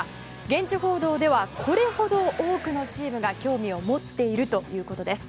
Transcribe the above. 現地報道ではこれほど多くのチームが興味を持っているということです。